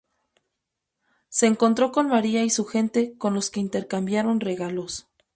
Se encontró con María y su gente con los que intercambiaron regalos.